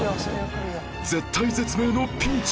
絶対絶命のピンチ！